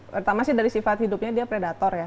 pertama dari sifat hidupnya dia predator